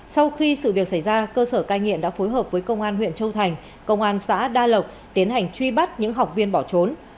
sau khi sự việc xảy ra cơ sở cai nghiện đã phối hợp với công an huyện châu thành công an xã đa lộc tiến hành truy bắt những học viên bỏ trốn